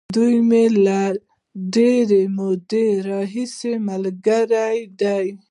دی مې له ډېرې مودې راهیسې ملګری دی.